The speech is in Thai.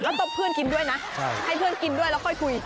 แล้วตบเพื่อนกินด้วยนะให้เพื่อนกินด้วยแล้วค่อยคุย